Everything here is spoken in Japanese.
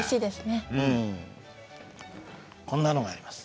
こんなのがあります。